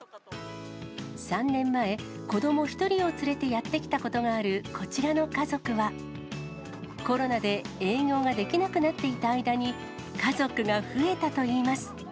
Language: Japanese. ３年前、子ども１人を連れてやって来たことがある、こちらの家族は、コロナで営業ができなくなっていた間に、家族が増えたといいます。